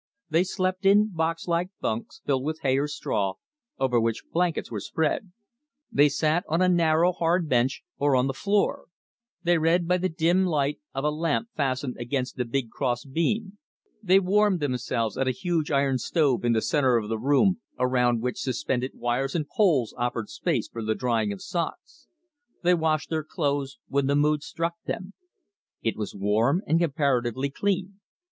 They slept in box like bunks filled with hay or straw over which blankets were spread; they sat on a narrow hard bench or on the floor; they read by the dim light of a lamp fastened against the big cross beam; they warmed themselves at a huge iron stove in the center of the room around which suspended wires and poles offered space for the drying of socks; they washed their clothes when the mood struck them. It was warm and comparatively clean.